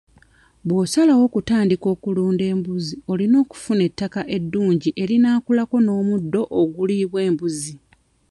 Bw'osalawo okutandika okulunda embuzi olina okufuna ettaka eddungi erinaakulako n'omuddo oguliibwa embuzi.